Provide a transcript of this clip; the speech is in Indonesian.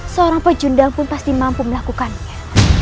seorang pejundang pun pasti mampu melakukannya